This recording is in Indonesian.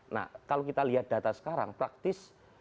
nah kalau kita lihat data sekarang praktis